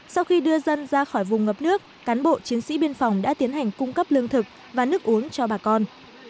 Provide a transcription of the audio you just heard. sau khi đưa dân ra khỏi vùng ngập nước cán bộ chiến sĩ biên phòng đã tiến hành cung cấp lương thực và nước uống cho bà con